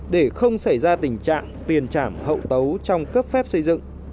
để không xảy ra tình trạng tiền trảm hậu tấu trong cấp phép xây dựng